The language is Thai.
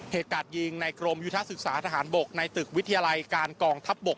เหตุการณ์ยิงในกรมยุทธศึกษาทหารบกในตึกวิทยาลัยการกองทัพบก